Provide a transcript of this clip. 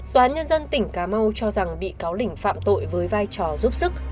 tòa nhân dân tỉnh cà mau cho rằng bị cáo lỉnh phạm tội với vai trò giúp sức